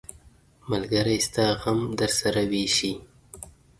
ملګری ستا غم درسره ویشي.